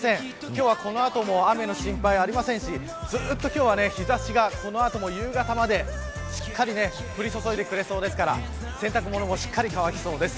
今日はこの後も雨の心配ありませんしずっと今日は日差しがこの後も夕方までしっかり降り注いでくれそうですから洗濯物もしっかり乾きそうです。